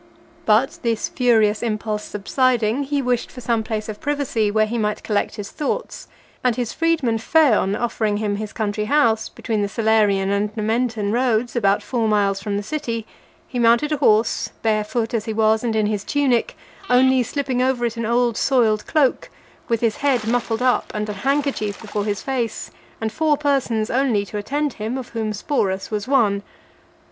XLVIII. But this furious impulse subsiding, he wished for some place of privacy, where he might collect his thoughts; and his freedman Phaon offering him his country house, between the Salarian and Nomentan roads, about four miles from the city, he mounted a horse, barefoot as he was, and in his tunic, only slipping over it an old soiled cloak; with his head muffled up, and an handkerchief before his face, and four persons only to attend him, of whom Sporus was one.